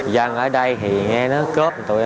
dân ở đây thì nghe nó cướp